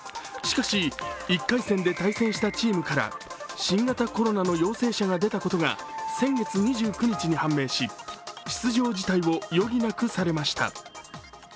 しかし１回戦で対戦したチームから新型コロナの陽性者が出たことが先月２９日に判明し、出場辞退を余儀なくされました。